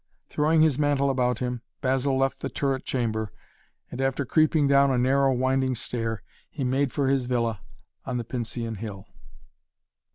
Throwing his mantle about him, Basil left the turret chamber and, after creeping down a narrow winding stair, he made for his villa on the Pincian Hill.